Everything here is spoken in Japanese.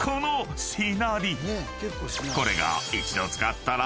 ［これが］